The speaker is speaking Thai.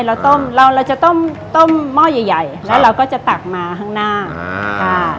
เราต้มเราเราจะต้มต้มหม้อใหญ่ใหญ่แล้วเราก็จะตักมาข้างหน้าอ่าค่ะ